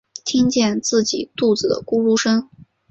听见自己肚子的咕噜声